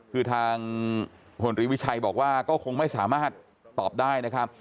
คือทางพลตรีวิชัยบอกว่าก็คงไม่สามารถตอบได้นะครับ